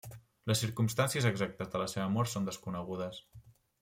Les circumstàncies exactes de la seva mort són desconegudes.